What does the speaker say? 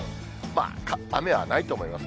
まあ、雨はないと思います。